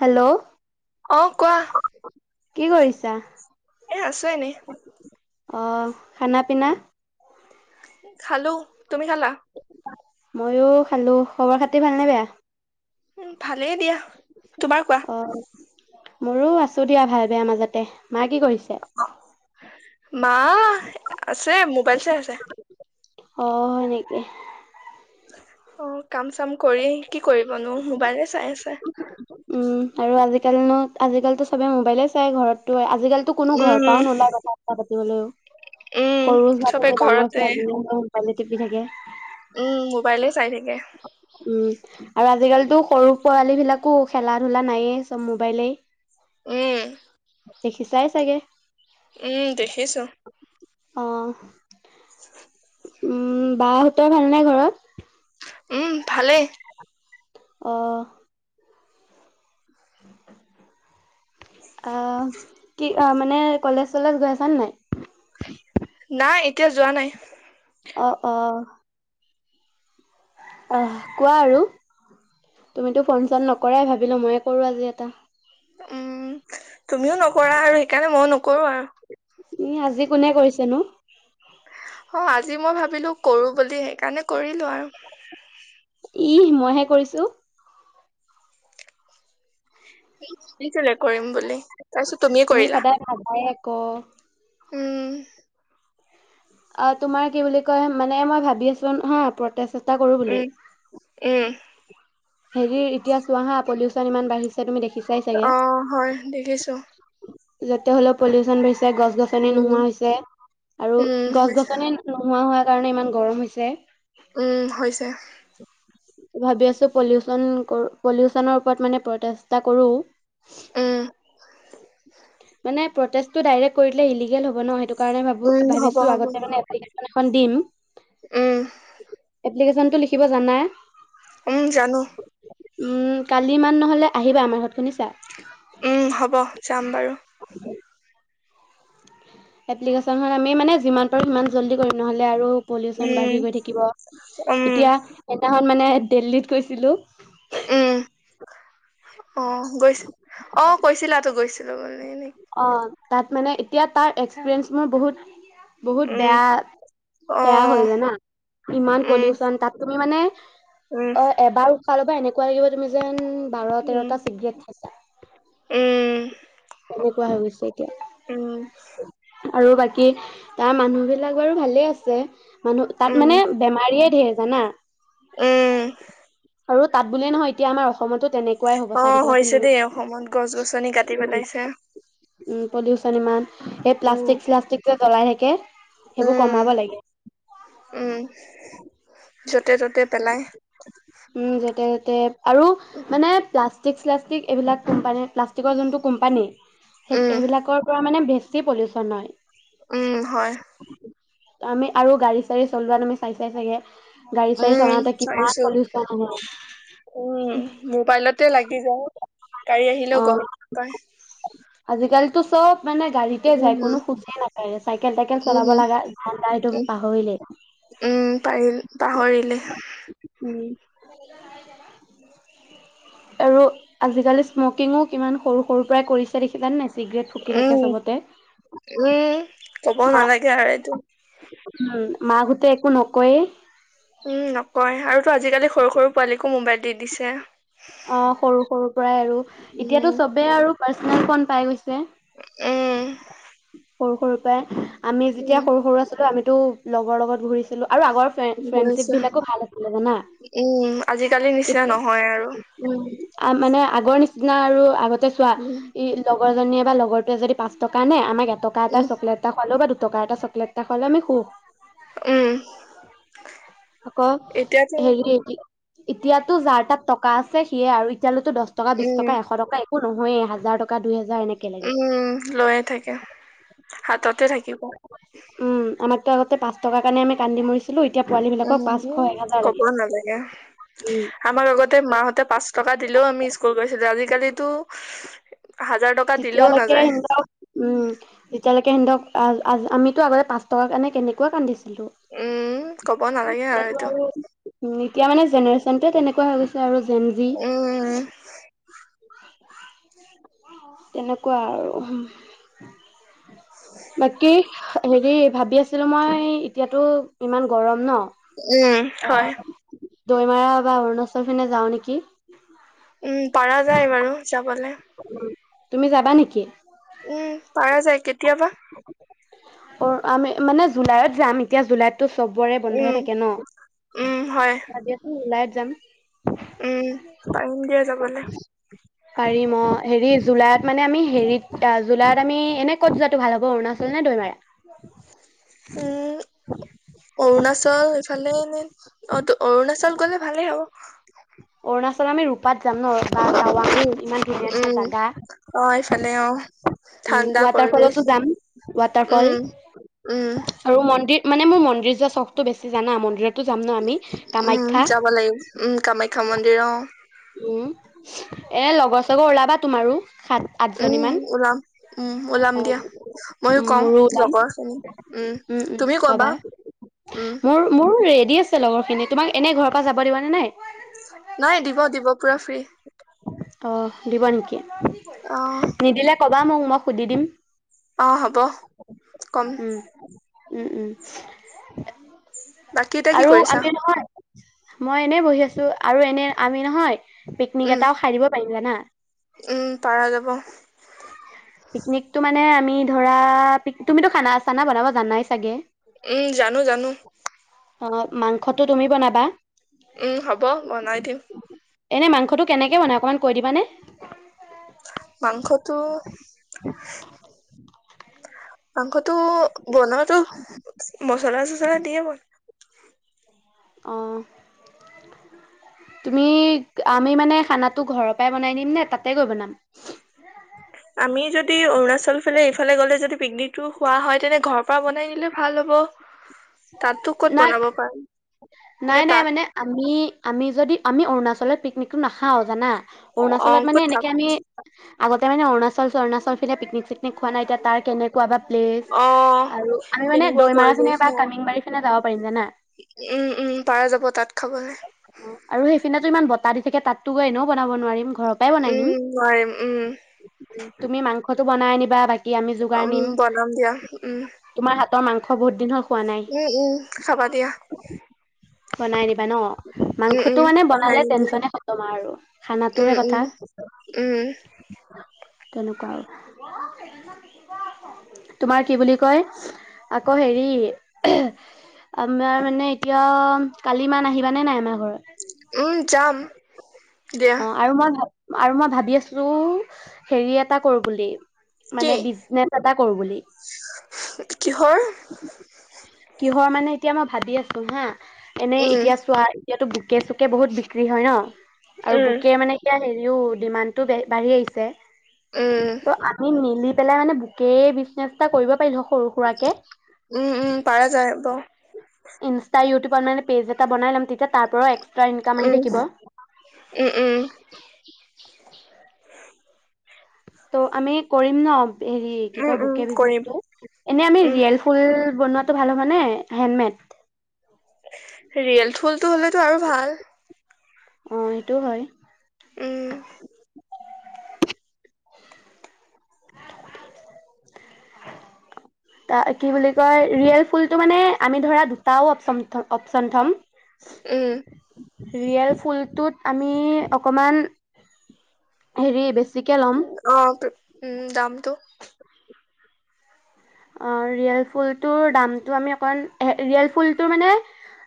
Hello অ কোৱা কি কৰিছা? এ আছো এনেই অ, খানা পিনা। খালো, তুমি খালা। ময়ো খালো, খবৰ খাতি ভালনে বেয়া। উম, ভালেই দিয়া। তোমাৰ কোৱা। অ মোৰো আছো দিয়া ভাল বেয়াৰ মাজতে। মা কি কৰিছে? মা, আছে মোবাইল চাই আছে। অ, হয় নেকি। অহ কাম চাম কৰি আহি কি কৰি কৰিবনো, মোবাইলে চাই আছে। উম, আৰু আজিকালি নো আজিকালিটো, চবে মোবাইলে চাই ঘৰত। তোৱে, আজিকালিতো কোনো ঘৰ উম পৰাও নোলাই, কথা ছটা পাতিবলৈও, উম সৰু চবে ছোৱালী, ডাঙৰ ঘৰতে ছোৱালীজনী [unintelligible] মোবাইলে টিপি থাকে। উম, মোবাইলে চাই থাকে। উম আৰু আজিকালিতো সৰু পোৱালীবিলাকো খেলা ধূলা নায়েই, চব মোবাইলেই। উম দেখিছাই চাগে? উম, দেখিছো। অ। উম, বা হতৰ ভাল নে ঘৰত? উম, ভালে। অ। অ, কি মানে কলেজ চলেজ গৈ আছানে নাই? নাই এতিয়া যোৱা নাই। অ অহ কোৱা আৰু তুমিতো ফোন চন নকৰাই, ভাবিলো ময়ে কৰো আজি এটা। উম, তুমিও নকৰা আৰু সেইকাৰণে ময়ো নকৰো আৰু। ইহ, আজি কোনে কৰিছেনো? অ, আজি মই ভাবিলো কৰো বুলি, সেইকাৰণে কৰিলো আৰু। ইহ, মইহে কৰিছো। [unintelligible] কৰিম বুলি তাৰপিছত তুমিয়ে তুমি কৰিলা সদায় ভাবাই আক। উম অ, তোমাৰ কি বুলি কয়, মানে মই ভাবি আছো, হ প্ৰষ্টেট এট উম, উম। হেৰি, এতিয়া চোৱাহা পলিউশচন ইমান বাঢ়িছে, তুমি দেখি অঁ, হয় দেখিছো। যাতে হলে, পল্লিউচন বেছি গছ গছনি উম নোহোৱা হৈছে, আৰু উম গছ হৈছে গছনি নোহোৱা হোৱা কাৰণে ইমান গৰম হৈছে। উম, হৈছে। ভাবি আছো, পল্লিউছন কৰো, পল্লিউছনৰ ওপৰত মানে প্ৰতেষ্ট এটা কৰো। উম। মানে প্ৰতেষ্টটো ডাইৰেক্ট কৰি দিলে, উল্লেগেল হব ন সেটো কাৰণে ভাবো, উম হ'ব ভাবিছো হ'ব আগতে মানে এপ্লিকেচন এখন দিম। উম। এপ্লিকেশ্বনটো লিখিব যানা। উম, জানো। কালি ইমান নহ'লে আহিবা আমাৰ ঘৰত শুনিছা? উম, হ'ব যাম বাৰু। এপ্লিকেশনখন আমি মানে যিমান পাৰো সিমান জল্দি কৰিম নহ'লে আৰু। পলিউচন উম বাঢ়ি গৈ থাকিব, উম এতিয়া সেইদিনাখন মানে দেল্লীত গৈছিলোঁ। উম অ', গৈছিল অ', কৈছিলা তো গৈছিলো বুলি। নি অ'। তাত মানে এতিয়া তাৰ এক্সপিৰিয়েঞ্চ মোৰ বহুত। বহুত উম বেয়া, অ বেয়া হৈ জানা ইমান উম পলিউচন তাত তুমি মানে? উম [inaudible] অ', এবাৰ উশাহ ল'ব এনেকে [inaudible] তুমি যেন বাৰ উম তেৰটা চিগৰেট খাইছা। উম এনেকুৱা হৈ গৈছে, উম এতিয়া আৰু বাকী? কি তাৰ মানুহ বিলাক বাৰু ভালে আছে। মানুহ তাত উম মানে বেমাৰীয়ে ধেৰ। শুনা উম [unintelligible] আৰু তাত বুলিয়ে নহয়, এতিয়া আমাৰ অসমতো তেনেকুৱাই হ'ব চাই অ' থাকিবাচোন হৈছে তুমি। দেই অসমত গছ-গছনি কাটি পেলাইছে। পলিউশ্যন ইমান। এই উম প্লাষ্টিক, স্লাষ্টিক বিলাক জ্বলাই থাকে। সেইবোৰ উম কমাব লাগে। পিছত উম, যতে, ততে আৰু মানে প্লাষ্ট প্লাষ্টিক, স্লাষ্টিক এইবিলাক কোম্পানী প্লাষ্টিকৰ যোনটো কোম্পানী, উম সেইবিলাকৰ পৰা মানে বে বেছি পলিউশ্যন হয়। উম, হয়। আমি আৰু গাড়ী চাৰী চলোৱা আমি চাইছা চাগে! গাড়ী চাড়ী উম, চলাওঁতে কিমান চাইছো। পলিউচন হয় উম, মোবাইলতে লাগি যায়। গাড়ী আহিলেও অ গম নাপাই। আজিকালিতো চব মানে গাড়ীতে যায়। কোনো খোজেই নাকাৰে। চাইকেল তাইকেল উম চলাব লাগা উম উম পাৰিল [unintelligible] পাহৰিলে। উম! আৰু আজিকালি স্মকিঙো কিমান সৰু সৰু পৰাই কৰিছে, দেখিলা নাই চিগৰেট ফুকি থাকে উম, চবতে উম, ক'ব মা নালাগে আৰু এইটো। তেওঁ একো নকয়েই। উম নকয় আৰু টো আজিকালি সৰু সৰু পোৱালীকো মোবাইল দি দিছে। অ' সৰু সৰু পৰাই আৰু এতিয়াতো উম চবেই আৰু পাৰ্চনেল ফোন পাই গৈছে। উম! সৰু সৰু পৰাই আমি যেতিয়া উম সৰু সৰু আছিলোঁ। আমি তো লগৰ লগত ঘূৰিছিলোঁ। জানা উম, আজিকালি নিচিনা নহয় আৰু। আ' মানে আগৰ নিচিনা আৰু আগতে তেছোৱা উম এই লগ লগৰজনীয়ে বা লগৰটোৱে যদি পাঁচ টকা নিয়ে আমাক এ টকা এটা উম চকলেট খোৱালেও বা দু টকাৰ এটা চকলেট নহলে আমি হোঁ উম আকৌ এতিয়াতো হেৰিতি এতিয়াতো যাৰ তাৰ টকা টকা আছে সিয়ে আৰু এতিয়ালইতো দছ টকা বিশ উম টকা এশ টকা একো নহয় হাজাৰ টকা দুই হেজাৰ এনেকে লাগে উম লৈয়ে থাকে হাততে থাকিব উম আমাকতো আগতে পাঁচ টকাৰ কাৰণে আমি কান্দি মইছো উ কব নালাগে উম আমাক আগতে মাহঁতে পাঁচ টকা দিলেও আমি স্কুল গৈছিলো আজিকালিটো তেতিয়ালৈকে সিহঁতক উম তেতিয়ালৈকে কেন্দক আহ আমিতো আগতে পাঁচ টকাৰ কাৰণে কেনেকুৱা কান্দিছোঁ উম কব নালাগে আৰু সেটো উম এতিয়া মানে জেনেৰেচনটোৱে তেনেকুৱা হৈ গৈছে আৰু ভেন্ডি উম তেনেকুৱা আৰু বাকী হেৰি ভাবি আছিলো মই এতিয়াতো ইমান গৰম নহ উম হয় দৈমাৰা বা অৰুণাচল পিনে যাওঁ নেকি উম পাৰা যায় বাৰু যাবলৈ তুমি যাবা নেকি উম পাৰা যায় কেতিয়াবা অ আমি মানে জুলাইত যাম এতিয়া জুলাইত তো চবৰে বন্ধ উম হৈ থাকে উম হয় নহ ওলাই যাম উম পাৰিম দিয়া যাব পাৰিম অহ হেৰি জুলাইত মানে আমি হেৰিত জুলাইত আমি এনে ক'ত যোৱাটো ভাল হ'ব অৰুণাচল নে দৈমাৰা উম অৰুণাচল এইফালে অ অৰুণাচল গলে ভালেই হ'ব অৰুণাচলত আমি ৰূপাত যাম নহ উম উম অহ এইফালে অহ উম ৱাটাৰ ফলতো যাম ৱাটাৰ ফল উম উম আৰু মন্দিৰ মানে মোৰ মন্দিৰ যোৱা চখটো বেছি জানা মন্দিৰত উম' যাব লাগিব। উম' কামাখ্যা খা মন্দিৰ অ', উম এ লগৰ চগৰ ওলাবা তোমাৰো। সাত আঠজনী উম মান ওলাম উম ওলাম অ দিয়া ময়ো কম মোৰো ওলাম লগৰ খিনি উম উম-উম তুমি কবা উম মোৰ-মোৰ ৰেডি লগৰ খিনি তোমাক এনে ঘৰৰ পৰা যাব দিবা নে নাই। নাই দিব দিব পুৰা ফ্ৰী। ত' দিবা নেকি? অ' বা মোক মই সুধি দিম। অ হ'ব কম। উম-উম, বাকী এতিয়া কি আৰু কৰিছা আমি নহয় মই এনেই বহি আছো আৰু এনে আমি নহয়। পিকনিক এটাও খাই দিব পাৰিম জানা উম-উম পাৰা যাব। পিকনিকটো মানে মানে আমি ধৰা তুমিতো খানা চানা বনাব জান নাই চাগে। উম জানো-জানো। অ মাংসটো তুমি বনাবা। উম' হ'ব বনাই দিম। এনে মাংসটো কেনেকে বনাই অকনমান কৈ দিবানে। মাংসটো [unintelligible] মাংসটো বনাওতটো মছলাটো ধৰা দিয়ে বল। অঁ', তুমি? আমি মানে খানাটো ঘৰৰ পৰাই বনাইম নে তাতে গৈ বনাম। আমি পিকনিক টো খোৱা হয়। তেনে ঘৰৰ পৰা বনাই নিলে ভাল হ'ব। তাতো ক'ত বনাব পাৰি নে নাই-নাই-নাই তাত মানে আমি আমি যদি আমি অৰুণাচল বলে পিকনিকটো নাখাও জানা, অ অৰুণাচলত মানে ক'ত খাম এনেকে আমি আগতে মানে অৰুণাচল-চৰুনাচল, গৈ পিনে পিকনিক, পিকনিক খোৱা নাই এতিয়া তাৰ কেনেকুৱা বা প্লেচ অ আৰু আমি মানে তেনেকুৱা দৈ মাৰা খনে পৰিৱেশ ন বা। উম, কামিংবাৰী পিনে যাব পাৰিম জানা। উম, পাৰা যাব তাত খা আৰু সেইফিনাতটো ইমান বত তা-দি থাকে তাতটো গৈ এনেও বনাব নোৱাৰিম ঘৰৰ পৰাই বনাই নিম। উম, হয়, উম। তুমি মাংসটো বনাই আনিবা বা উম, বনাম দিয়া। উম। মই মাংস বহুত দিন হ উম, উম, খাবা দিয়া। বনাই নিম। বন [unintelligible] উম মাংসটো উম মানে পঢ়াই বনালে নিম দিয়া টেনচনে খতম আৰু। উম খানাটোহে উম কথা। উম তেনেকুৱা আৰু। [unintelligible] তোমাৰ কি বুলি কয়, আকৌ হেৰি, আমাৰ মানে এতিয়া কাল ইমান আহিবা নে নাই আমা উম, যাম। দিয়া। অ আৰু মই ভাব আৰু মই ভাবি আছু হেৰি এটা কৰো বুলি। কি মানে বিজনেত এটা কৰো বুলি। কিহৰ কিহৰ মানে, এতিয়া ম অ, ভাবি আছো হা। এনে উম এতিয়া চোৱা ইয়াতো বুকে-চুকে বহুত বিক্ৰী হয় ন? আৰু উম বুকে মানে এতিয়া হেৰিও ডিমাণ্ডটো বে-বাঢ়ি আহিছে। উম তো আমি মিলি পেলাই মানে, বুকে বিজনেছ এটা কৰিব পাৰিলো হ উম, উম, পাৰা যায়। ইনষ্টা, ইউটিউবত মানে পেজ এটা বনাই ল'ম তেতিয়া তাৰ পৰাও এক্স উম। উম, উম। তো আমি কৰিম ন? হেৰি কি উম কয় উম বুকে কৰিম বিজনেছটো, এনে আমি উম ৰিয়েল ফুল বনোৱাটো ভাল হ'ব নে হেণ্ডমেড? ৰিয়েল ফুল তো হ'লেতো আৰু ভাল। অ', সেইটোও হয়। উম [unintelligible] [unintelligible] তা কি বুলি কয় ৰিয়েল ফুলটো মানে আমি ধৰা দুটাও অপচম থ অপচন থ'ম উম ৰিয়েল ফুলটোত আমি অকমান হেৰি বেছি অ উম দামটো অহ ৰিয়েল ফুলটোৰ দামটো আমি অকণ ৰিয়েল ফুলটো মানে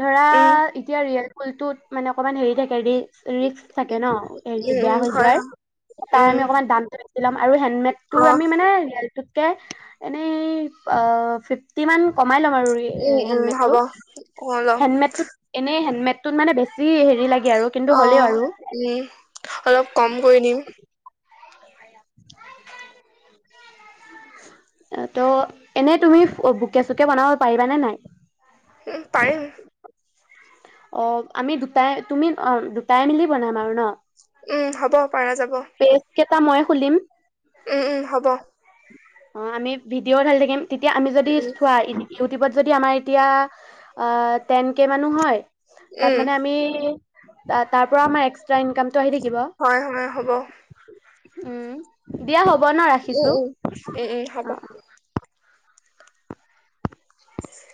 ধৰা উম এতিয়া ৰিয়েল ফুলটোত মানে অকণমান হেৰি থাকে ৰি ৰিস্ক থাকে ন হেৰি উম বেয়া উম হৈ হয় যোৱাৰ হয় তাৰ উম আমি অকনমান দামটো বেচি ল'ম আৰু অ হেণ্ডমেডটোৰ আমি মানে ৰিয়েলটোত তে এহ মানে আহ ফিট টি মান কমাই ল'ম আৰু উম আহ উম হ্যাণ্ডমেডটো হ'ব অলপ হ্যাণ্ডমেডটোত এনে হ্যাণ্ডমেডটোত মানে বেছি ই হেৰি লাগি অ উম অলপ কম কৰি দিম আহ তো এনেই তুমি ফফ কেচু কে বনাব পাৰিবা নে নাই উম পাৰিম অ আমি দুটাই তুমি অ দুটাই মিলি বনাম আৰু ন উম হ'ব পাৰা যাব তা মই খুলিম উম উম হ'ব অ আমি ভিডিঅ'ও ধালি থাকিম তেতিয়া আমি যদি উম চোৱা ইদি ইউটিউবত যদি আমাৰ এতিয়া টেন কে মানুহ হয় তাত উম মানে আমি তাৰ পৰা আমাৰ এক্সটোৰা একষ্টা ইনকাম হয় হয় হ'ব উম দিয়া হ'ব ন উম ৰাখিছোঁ। উম উম উম হ'ব অ' চি চি